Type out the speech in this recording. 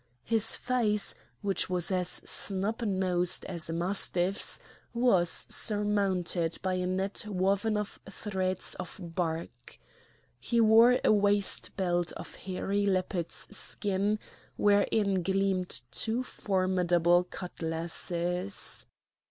His face, which was as snub nosed as a mastiff's, was surmounted by a net woven of threads of bark. He wore a waist belt of hairy leopard's skin, wherein gleamed two formidable cutlasses.